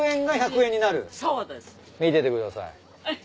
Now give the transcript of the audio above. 見ててください。